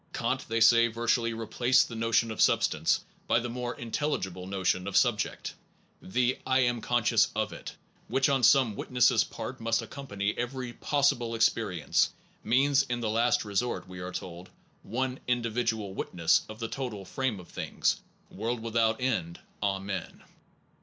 Kant, they say, virtually replaced the notion of Substance, 128 THE ONE AND THE MANY by the more intelligible notion of Subject. The I am conscious of it, which on some witness s part must accompany every possible experi ence, means in the last resort, we are told, one individual witness of the total frame of things, world without end, amen.